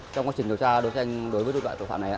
trong quá trình điều tra đối tranh đối với đối tượng tội phạm này